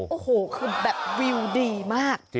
โอ้โหคือแบบวิวดีมาก